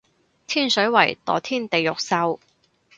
天水圍墮天地獄獸